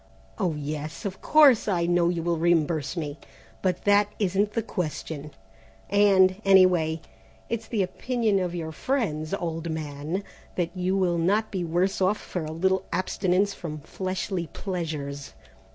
Oh, yes, of course I know you will reimburse me, but that isn't the question; and, anyway, it's the opinion of your friends, old man, that you will not be worse off for a little abstinence from fleshly pleasures.